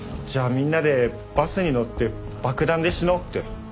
みんなでバスに乗って爆弾で死のうって。